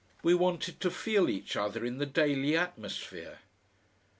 We wanted to feel each other in the daily atmosphere.